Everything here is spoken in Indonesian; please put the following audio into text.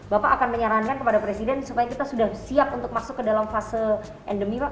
bapak akan menyarankan kepada presiden supaya kita sudah siap untuk masuk ke dalam fase endemi pak